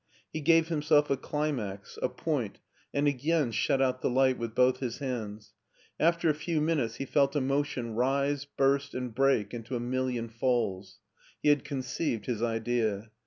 He gave himself a climax, a point, 255 256 MARTIN SCHULER and again shut out the light with both his hands. After a few minutes he felt a motion rise, burst, and break into a million falls. He had conceived his idea.